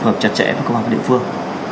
phù hợp chặt chẽ với công an địa phương